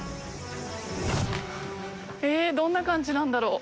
えどんな感じなんだろう。